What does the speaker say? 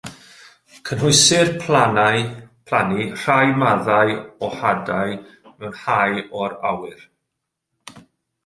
Cynhwysir plannu rhai maddau o hadau mewn hau o'r awyr.